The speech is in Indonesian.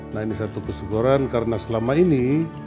nah ini satu keseguran karena selama ini